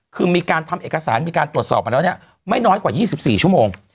คือมีการทำเอกสารมีการตรวจสอบมาแล้วเนี่ยไม่น้อยกว่า๒๔ชั่วโมง